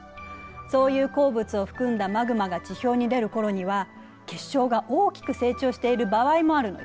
そういう鉱物を含んだマグマが地表に出る頃には結晶が大きく成長している場合もあるのよ。